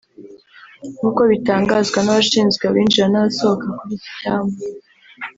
nk’uko bitangazwa n’abashinzwe abinjira n’abasohoka kuri iki cyambu